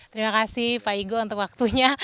terima kasih pak igo untuk waktunya